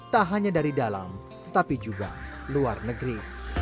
tak hanya dari dalam tetapi juga luar negeri